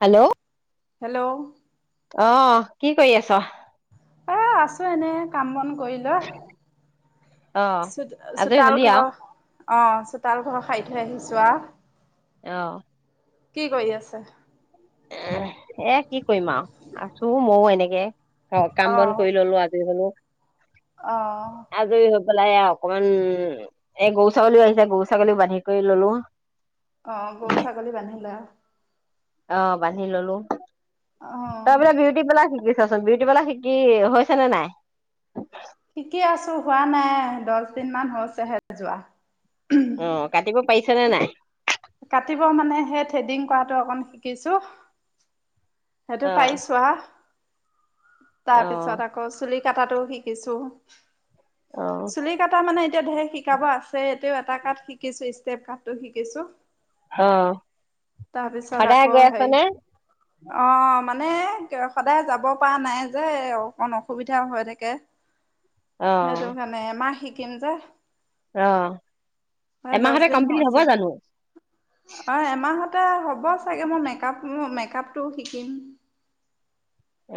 Hello hello অ কি কৰি আছ অ আছো এনে কাম বন কৰি আহ লৈ আজৰি চোতাল হলি আৰু ঘৰ অ চোতাল ঘৰ হাৰি থৈ আহিছো আহ। আহ কি কৰি আছা? য়েহ এ কি কৰিম আৰু, আছো মইয়ো এনেকে অ কাম বন কৰি ললো, আজৰি হলো। অহ বলাই অকণমান এ গৰু ছাগলীও আহিছে গৰু ছাগলীও বান্ধি কৰি ললো। অ, গৰু ছাগলী বান্ধিলা। অ বান্ধি ললো। অ তই মানে বিউটি পাৰ্লাৰ শিকিছি? চোৱাচোন বিউটি পাৰ্লাৰ শিকি হৈছে নে নাই? শিকি আছো, হোৱা নাই দহ দিন মান হৈছেহে যোৱা। অ কাটিব পাই? পাইছা নে নাই? কাটিব মানে সেই থ্ৰেডিং কৰাটো অকণ শিকিছো। সেইটো অ পাৰিছো আহ তাৰ অ পিছত আকৌ চুলি, কাটাতো শিকিছোঁ। অ চুলি কাটা মানে এতিয়া ধেৰ শিকাব আছে, এইটোও এটা কাট শিকিছো। ষ্টেপ কাট টো শিকিছো। অ তাৰপিছত সদায়ে আকৌ গৈ আছ হেৰি নে? অ মানে সদায় যাব পৰা নাই যে এ অকণ অসুবিধা হৈ থাকে। অ সেইটো কাৰণে এমাহ শিক শিকিম যে অ দহ এমাহতে দিন কমপ্লিট হব হৈছে, জানো অ এমাহতে হ'ব চাগে মই মেকআপ লোৱা নাই। তো শিকিম।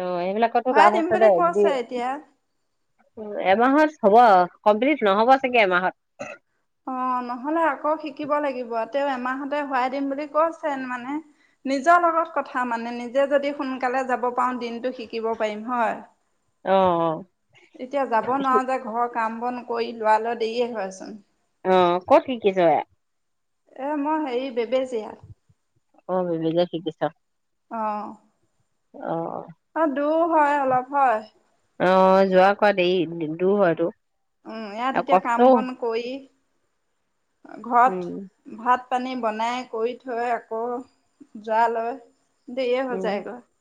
অ সেইবিলাকতো ভৰাই লাভ দিম আছে দে বুলি যদি কৈছে এতিয়া। তোৰ এমাহত হ'ব কমপ্লিট নহব চাগে এমাহত? অ, নহলে আকৌ শিকিব লাগিব। তেওঁ এমাহতে হুৱাই দিম বুলি কৈছে মানে, নিজৰ লগত কথা মানে নিজে যদি সোনকালে যাব পাৰো দিনটো শিকিব পাৰিম হয়। অ, অ এতিয়া যাব নোৱাৰো যে ঘৰ কাম বন কৰি উলোৱা লৈ দেৰিয়ে হয়চোন। অ ক'ত শিকিছ এইয়া? এ মই হেৰি বেবেজীয়াত। অ বেবেজীয়াত শিকিছ। অঁ অ অ। অ দুৰ হয় অলপ হয়। অ যোৱা কোৱা দেই দূৰ হয়তটো। উম ইয়াত এতিয়া কাম বন কৰি উম, ঘৰত ভাত পানী বনাই কৰি থৈ আকৌ জৰা লয় দেইয়ে হৈ উম, যায় গৈ ।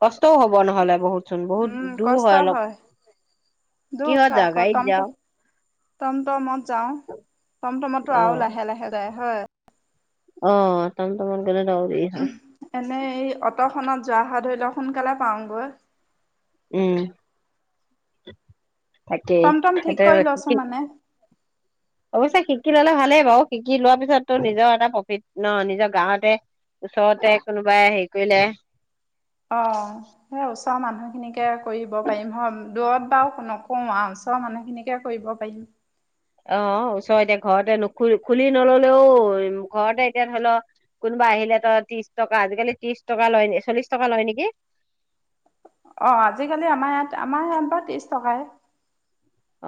কষ্টও হব নহলে বহুতচোন বহুত উম দূৰ কষ্ট হয় অলপ কি হত যাও গাড়ীত যাওঁ? তম তমত যাও, তম টমতো আৰু অ', লাহে লাহে যায় । হয়। অ তমতমত। এনে এই অট খত যোৱা হা ধৰি লওক । সোনকালে পাওঁগৈ। উম। থাকেই, টমটম ঠিক সেইটো কৰি বা লৈছো শিকি মানে অৱশ্যে শিক শিকি ললে ভালেই বাৰু শিকি লোৱাৰ পিছততো নিজৰ এটা প্ৰফিট ন নিজৰ গাঁৱতে ওচৰতে কোনোবাই হেৰি কৰিলে অ স ওচৰৰ মানুহখিনিকে কৰিব পাৰিম হ দূৰত বাৰু নকওঁ আৰু ওচৰৰ মানুহখিনিকে কৰিব পাৰিম। অ ওচৰ এতিয়া ঘৰতে নুখু খুলি নললেও ঘৰতে এতিয়া ধৰি লও কোনোবা আহিলে তই ত্ৰিশ টকা আজিকালি ত্ৰিশ টকা লয় ন চল্লিশ টকা লয় নেকি? অ আজিকালি আমাৰ ইয়াত আমাৰ ইয়াত বা ত্ৰিশ টকাই ।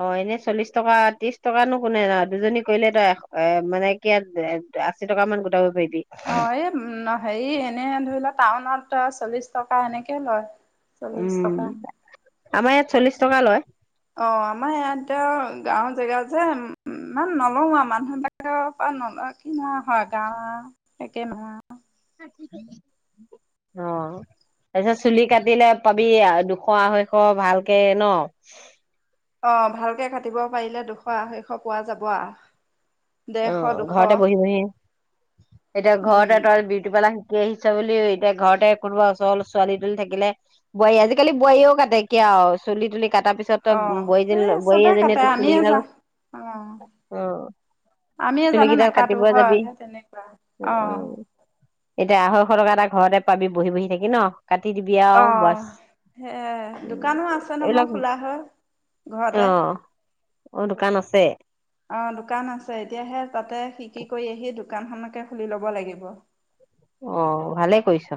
অ এনেই চল্লিশ টকা ত্ৰিশ টকানো কোনে ন, দুজনী কৰিলে তই এ মানে ক আশী টকা মান গোটাব পাৰিম। অ এই উ হেৰি এনে ধৰি লোৱা টাউনত। চল্লিশ টকা এনেকে লয়। চল্লিছ উম টকা। আমাৰ ইয়াত চল্লিশ টকা লয়। অ আমাৰ ইয়াত গাঁওৰ জেগা যে, ইমান নলওঁ আৰু মানুহবিলাকৰ পৰা নলয় গাওঁ ৰ একে নহয় । অ তাৰপিছত চুলি কাটিলে পাবি দুশ আঢ়ৈশ ভালকে ন। অ ভালকে কাটিব পাৰিলে দুশ আঢ়ৈশ পোৱা যাব। অ ডেৰশ দুশ ঘৰতে বহি বহি এতিয়া উম ঘৰতে তই বিউটি পাৰ্লাৰ। শিকি আহিছ বুলি এতিয়া ঘৰতে কোনোবা ওচৰ ছোৱালী তুৱালি থাকিলে বোৱাৰী, আজিকালি বোৱাৰীয়েও কাটে কিয় চুলি তুলি কটাৰ পিছত অ এই বোৱাৰী চবে এজনীয়ে কাটে তোক চুলি আমিয়ে কেইডাল, যা অ অ আমিয়ে জানো চুলিকেইডাল নেকাটো কাটিব হয়, যাবি তেনেকুৱা উ অ। এতিয়া আঢৈশ টকা এটা ঘৰতে পাবি বহি বহি থাকি, ন? কাটি দিবি অ আৰু বাছ সেই দোকানো আছে নহয় এইবিলাক খোলা হয়, অ ঘৰতে, অ দোকান আছে অ দোকান আছে । তেতিয়াহে তাতে শিকি কৰি আহি। দোকানখনকে খুলি ল'ব লাগিব। অ ভালেই কৰিছ।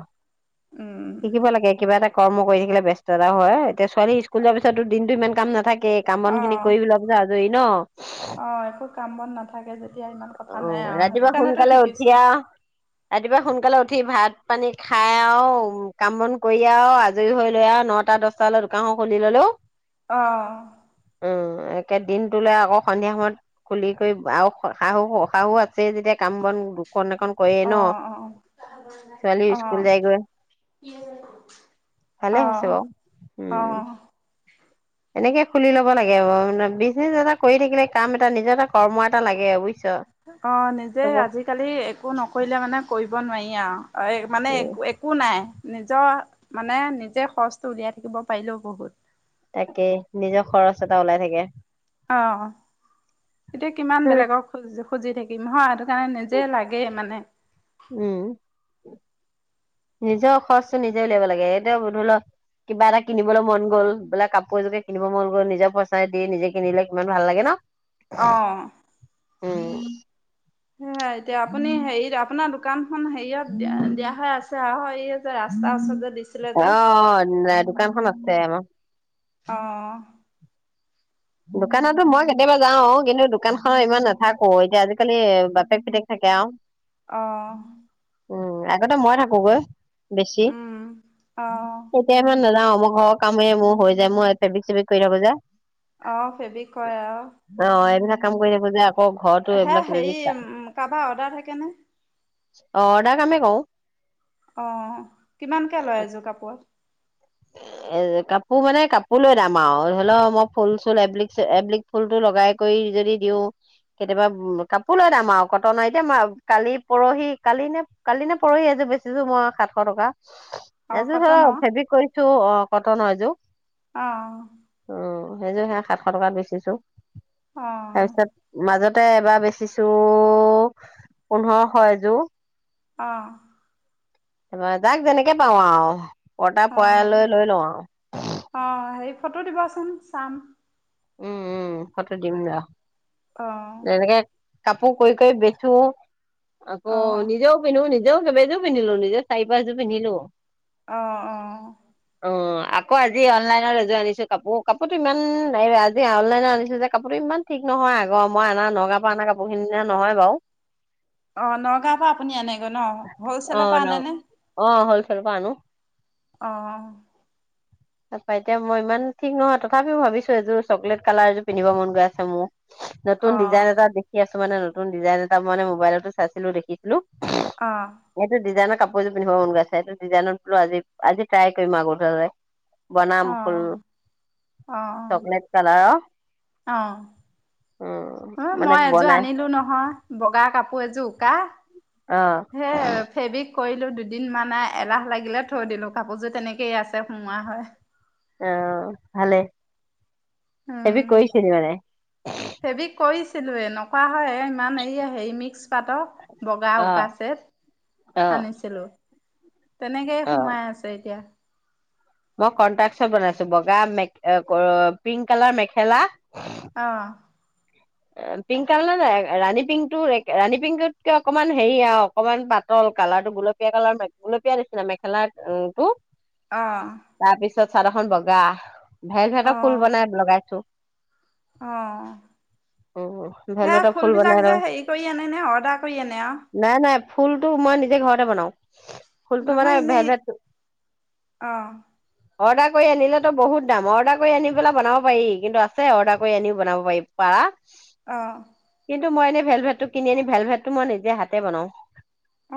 উম শিকিব লাগে কিবা এটা। কৰ্ম কৰি থাকিলে ব্যস্ততা ও হয় ছোৱালী স্কুল যোৱাৰ পিছতো দিনতটো ইমান কাম নাথাকে। কে কাম অ বন খিনি কৰি পেলোৱা পাছত আজৰি । ন। অ একো কাম বন নাথাকে যেতিয়া ইমান কথা অ' নাই আৰু সেইটো ৰাতিপুৱা কাৰণেতো সোনকালে উঠি শিকিছো। আৰু ৰাতিপুৱা সোনকালে উঠি ভাত পানী খাই আওঁ কাম বন কৰি আৰু আজৰি হৈ লৈ আৰু নটা দছ টালৈ দোকানখন খুলি ললো। অহ। অ একে দিন তোলে আকৌ সন্ধিয়া সময়ত খুলি কৰি আও শাহু শহু আছে। আছে যেতিয়া কাম বন দুখন এখন কৰি ন অ অ ছোৱালীও অ স্কুল যাইগৈ। অ ভালেই হৈছে বাৰু অ উম। এনেকে খুলি ল'ব লাগে ৱ বিজনেছ এটা কৰি থাকিলে কাম এটা নিজৰ এটা কৰ্ম এটা লাগে বুজিছ। অ নিজে চবক আজিকালি একো নকৰিলে মানে কৰিব। নোৱাৰি আও। আএ মানে একো নাই। নিজৰ মানে নিজে খৰচটো উলিয়াই থাকিব পাৰিলেও বহুত। তাকেই নিজৰ খৰচ এটা ওলাই থাকে। অঁ। এতিয়া কিমান বেলেগক খোযো। খুজি থাকিম নহয়। সেকানেই নিজে লাগে মানে। উম নিজৰ খৰচটো নিজে উলিয়াব লাগে এতিয়া ধৰি লও কিবা এটা কিনিবলৈ মন গল বোলে কাপোৰ এযোকে কিনিব মন গ'ল নিজৰ পইচাই দি নিজে কিনিলে কিমান ভাল লাগে ন । অ উম। সেইয়া এতিয়া আপুনি হেৰিট আপোনাৰ। কাম। খন হেৰিয়ত দিয়া হৈ আছে আও এইয়ে যে ৰাস্তা ওচৰত যে দিছিলে অ যে। দোকানখন আছে আমাৰ অহ । দোকানতো মই কেতিয়াবা যাও কিন্তু দোকান খনৰ ইমান নাথাকো এতিয়া আজিকালি বাপেক পিতেক থাকে আওঁ । অ । উম আগতে মই থাকোগৈ। বেছি উম, অ'। এতিয়া মই নেযাওঁ। মোৰ ঘৰৰ কামেৰে মোৰ হৈ যায় মই ফেব্ৰিক চেব্ৰিক কৰি থাকো যে। আহ ফেবি কয় আও। অ এইবিলাক কাম কৰি যাব যা হে হেৰি কাবাৰ অৰ্ডাৰ থাকেনে? অ অৰ্ডাৰ আমিও কও। আহ কিমানকে লয় এযোৰ কাপোৰত? এ কাপোৰ মানে কাপোৰ লৈ দাম আও ধৰি লও মই ফুল চুল এবিক এবলিক ফুলতটো লগাই কৰি যদি দিও কেতিয়াবা উ কাপোৰ লৈ দাম আৰু কটনৰ এতিয়া কালি পৰহি কালি নে কালি নে পৰহি এযোৰ বেচিছো মই সাতশ টকা। অ', এজে ধৰা কটনৰ? ফেবি কৰি টো অ কটন এযো। আহ সেইযোৰ সে সাতশ টকাত বেছিছো। অ', তাৰপিছত মাজত তে এবাৰ বেচিছো পোন্ধৰশ এযোৰ। অহঁ ত তাক যেনেকে পাওঁ আও। পটা অ'। পোৱালৈ লৈ লওঁ আও। অ', হেৰি ফটো দিবাচোন চাম। উম উম ফটো দিম ৰ। অহ কাপো কই কই বেচো। আকৌ অ'। নিজেও পিন্ধো নিজে জেও কবােযোৰ পিন্ধিলো নিজে চাৰি পছযোৰ পিন্ধিলো। অ অ অ আকৌ আজি অনলাইনত এযোৰ আনিছো কাপোৰ কাপোৰতো ইমান নাই। আজ অনলাইনে আনিছো যে কাপোৰতো ইমান ঠিক নহয় আগৰ মই অনা নগাওঁ পৰা অনা কাপোৰখিনি না নহয় বাৰু। অ নগাঁৱৰ পৰা আপুনি আনেগৈ ন অ হলচেলৰ পৰা ন আনেনে? অ হলচেলৰ আনো অহ তাপা এতিয়া মই ইমান ঠিক নহয় তথাপিও ভাবিছো এযোৰ চকলেট কালাৰ এযোৰ পিন্ধিব মন গৈ আছে মোৰ। অ নতুন ডিজাইন এটা দেখি আছে মানে নতুন ডিজাইন এটা মান মবাইলতো চাইছিলো দেখিছিলো। অ এটো ডিজাইনৰ কাপোৰযোৰ পিন্ধিব মন গাইছে এইটো ডিজাইনতোলো আজি আজি টাই কৰিম আৰু গধুলালে বনাম অ ফুল অ চকলেট কালাৰৰ। উম অ মানে মই এযোৰ বনাই আনিলো নহয় বগা কাপোৰ। ক যো কা অ [unintelligible] হে ফেবিক। কৰিলো দুদিনমানান এলাহ লাগিলে, থৈ দিলো কাপোৰযোৰ তেনেকেই আছে। আহ ভালে। সেইবি উম কৈছিল মানে [unintelligible] ছিলোে নকুৱা হয়, ইমান এই হেৰি মিক্স। পাতৰ, বগা অ উকা চট অ আনিছিলো। তেনেকেই অ সোমাই আছে এতিয়া। মই কণ্টাকসত বনাইছো, বগা পিংক কালাৰ মেখেলা। আহ। পিংক কালাৰ ন নাই ৰাণী পিংক টো ৰাণী পিংকতকে অকমান হেৰি আৰু অকনমান পাতল, কালাৰটো গুলপীয়া কালাৰ গুলপীয়া নিচিনা মেখেলাটো। আহ । চাৰাখন বগা। ভেল, ভেতৰ ফুল বনাই লগাইছো। আহ। উম এ ভেলভেটৰ ফুল বিলাক বনাই যে লৈ হেৰি কৰি আনে নে অৰ্ডাৰ কৰি আনে অ? ফুলতটো মই নিজে ঘৰতে বনাও। ফুলটোোমানে নহয় ভেদ এনেই ভেলভেতো, অ অৰ্ডাৰ কৰি আনিলেতো বহুত দাম অৰ্ডাৰ কৰি আনি পেলাই বনাব পাৰি কিন্তু আছে অৰ্ডাৰ কৰি আনি বনাব পাৰি পাৰা। আহ । কিন্ত মই এনেই ভেলভেটটো কিনি আনি ভেলভেট মই নিজে হাতে বনাও।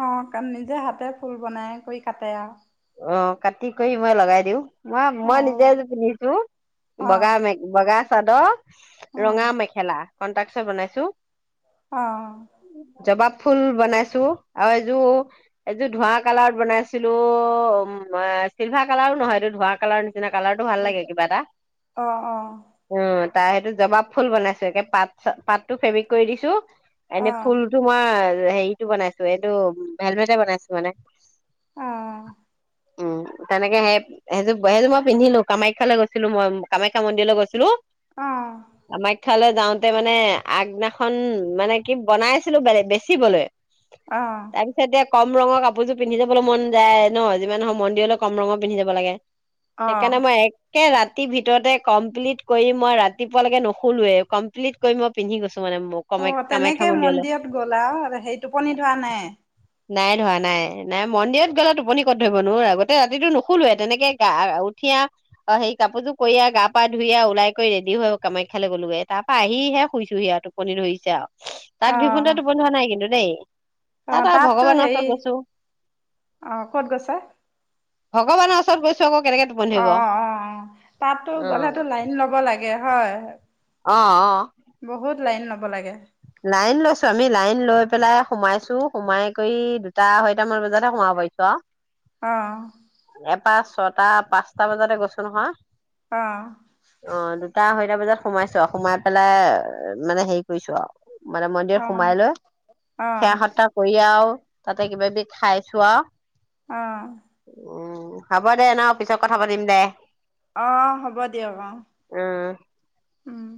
অণ নিজে হাতে ফুল বনাই কৰি কাটে আৰু [unintelligible] অ, কাটি কৰি মই লগাই দিওঁ। অ, অ মই নিজে পিন্ধিছো অ বগা ম বগা। অ চাদৰ ৰঙা মেখেলা বনাইছো [unintelligible] জবাব অঁ। ফুল বনাইছো, আৰু এইযোৰ এইযোৰ ধোঁৱ কালাৰত বনাইছিলো। অ, চিল্ভাৰ কালাৰো নহয়। এইটো ধোঁৱা কালাৰ নিচিনা কালাৰটো ভাল লাগে কিবা এটা। আহ অ। তাৰ সেইটো জবাব ফুল বনাইছো, একে পাত পাতো ফেব্ৰিক কৰি দিছো। অ এনে ফুল তোমাৰ। হেৰিতটো বনাইছো এইটো হেলমেটে বনাইছো মানে। উম, তেনেকে সেই সেইযোৰ সেইযোৰ মই পিন্ধিলো কামাখ্যালৈ গৈছিলো, মই কামাখ্যা মন্দিৰলৈ গৈছিলো। আমাৰ। অ কামাক্ষ্যা লৈ, যাওঁতে মানে আগদিনাখন মানে কি বনাই আছিলো বেচিবলৈ। অ তাৰ পিছত। কম ৰঙৰ কাপোৰযোৰ পিন্ধি যাবলৈ মন যায়। ন যিমানে হওক মন্দিৰলৈ কম ৰঙৰ পিন্ধি যাব লাগে। অ সেইকাৰণে মই এক, একে ৰাতিৰ ভিতৰতে কমপ্লিট কৰি মই ৰাতিপুৱালৈকে নুশুলোয়ে কমপ্লিট কৰি মই পিন্ধি গৈছো। মানে মোক কমা অঁ কামাখ্যা তেনেকে মন্দিৰলৈ মন্দিৰত গ'লা সেই টোপনি ধৰা নাই। নাই ধৰা নাই নাই মন্দিৰত গলে টোপনি। কত ধৰিব নোৱাৰ আগতে ৰাতিতটো নুশুলোৱে তেনেকে গা উঠিয়া অ সেই কাপোৰযোৰ কৰি গা পা ধুই ওলাই কৰি ৰেডি হয় কামাখ্যালৈ গ'লোগে তাৰ পৰা আহিহে শুইছোহি আৰু টোপনি ধৰিছে আৰু। তাত অ গৈ কিন্তু টোপনি ধৰা নাই কিন্তু, ন [inaudible] অ তাত আৰু তাততো ভগৱানৰ হেৰি ওচৰত গৈছো। অ ক'ত গৈছে। ভগৱানৰ ওচৰত গৈছোঁ ক, অঁ অঁ তাততো গ'লেতো লাইন ল'ব লাগে । হয়। অঁ অঁ। বহুত লাইন ল'ব লাগে। লাইন লৈছো আমি লাইন লৈ পেলাই সোমাইছো সোমাই কৰি দুটা আহৈতা মান বজাতহে সোমাব পাৰিছো আৰু। অঁ। তাত ছটা পাঁচটা বজাতে গৈছো নহয়। অ অ দুটা আহৈতা, দুটা বজাত সোমাইছো আৰু সোমাই পেলাই মানে হেৰি কৰিছো আৰু, মানে মন্দিৰ অ সোমাই লৈ অ সেৱা সতা কৰি আৰু, তাতে কিবা কিবি খাইছো আৰু। অঁ। উম হ'ব দে ন পিছত কথা পাতিম দে, অ হ'ব দিয়ক অ উম উম।